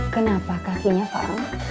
kenapa kasihnya faang